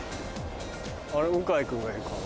あれ向井君がいるかな。